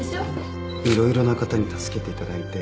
いろいろな方に助けていただいて。